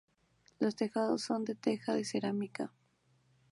Los tejados son de teja de cerámica.